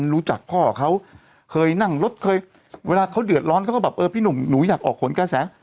รู้จักพ่อเขาเคยนั่งรถเคยเวลาเขาเดือดร้อนเขาก็แบบเออพี่หนุ่มหนูอยากออกผลกระแส